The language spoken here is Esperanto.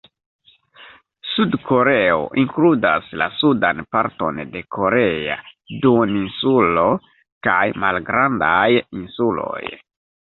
Sud-Koreo inkludas la sudan parton de korea duoninsulo kaj malgrandaj insuloj.